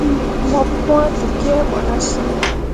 Mo pwãa tekǝbo nah sǝǝ.